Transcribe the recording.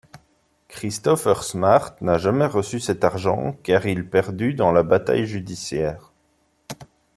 Christopher Smart n'a jamais reçu cet argent, car il perdu dans la bataille judiciaire.